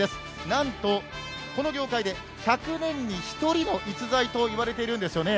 なんと、この業界で１００年に１人の逸材といわれているんですよね。